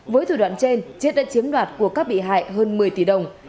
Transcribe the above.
với thủ đoạn trên chiết đã chiếm đoạt của các bị hại hơn một mươi tỷ đồng